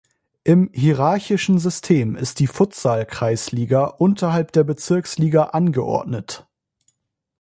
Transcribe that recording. Im hierarchischen System ist die Futsal-Kreisliga unterhalb der Bezirksliga angeordnet.